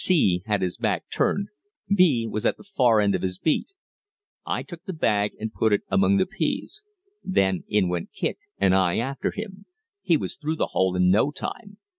"C" had his back turned "B" was at the far end of his beat. I took the bag and put it among the peas. Then in went Kicq, and I after him he was through the hole in no time.